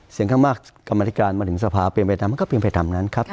เสียงข้างมากกรรมธิการมาถึงสภาเปลี่ยนไปทำมันก็เป็นไปตามนั้นครับ